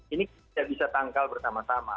ini tidak bisa tangkal bersama sama